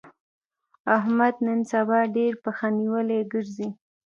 احمد نن سبا ډېر پښه نيولی ګرځي.